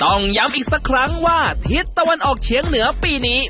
ต้องย้ำอีกสักครั้งว่าทิศตะวันออกเฉียงเหนือปีนี้